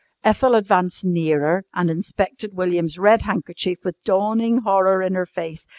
Ethel advanced nearer and inspected William's red handkerchief with dawning horror in her face.